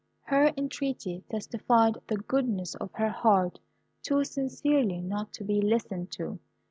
Her entreaty testified the goodness of her heart too sincerely not to be listened to.